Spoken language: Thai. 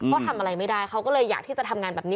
เพราะทำอะไรไม่ได้เขาก็เลยอยากที่จะทำงานแบบนี้